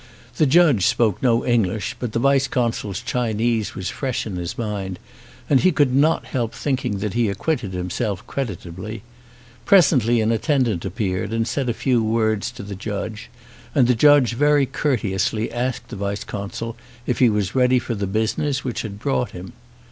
The judge spoke no Eng lish, but the vice consul's Chinese was fresh in his mind and he could not help thinking that he acquitted himself creditably. Presently an at tendant appeared and said a few words to the judge, and the judge very courteously asked the vice consul if he was ready for the business which had brought him.